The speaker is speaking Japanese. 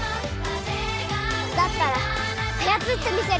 だったらあやつってみせる！